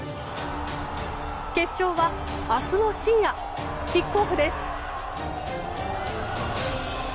決勝は、明日の深夜キックオフです。